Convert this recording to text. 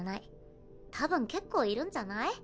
たぶん結構いるんじゃない？